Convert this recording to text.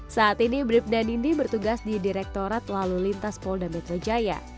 saat ini brib dan nindi bertugas di direktorat lalu lintas polda metro jaya